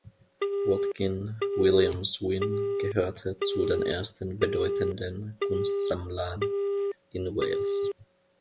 Watkin Williams-Wynn gehörte zu den ersten bedeutenden Kunstsammlern in Wales.